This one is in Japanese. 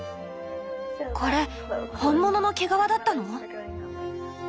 これ本物の毛皮だったの？